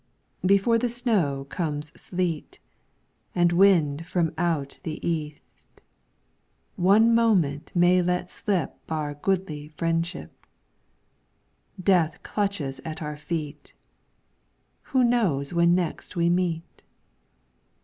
Before the snow comes sleet, And wind from out the East. One moment may let slip Our goodly fellowship. Death clutches at our feet. Who knows when next we meet